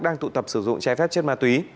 đang tụ tập sử dụng trái phép chất ma túy